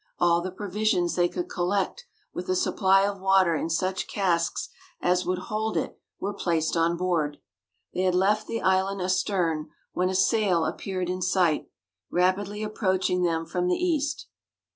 All the provisions they could collect, with a supply of water in such casks as would hold it were placed on board. They had left the island astern when a sail appeared in sight, rapidly approaching them from the east.